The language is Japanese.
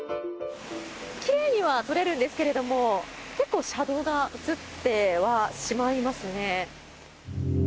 奇麗には撮れるんですけれども結構、車道が写ってはしまいますね。